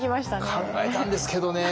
考えたんですけどね。